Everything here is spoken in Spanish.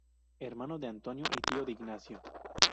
Hermano de Antonio y tío de Ignacio.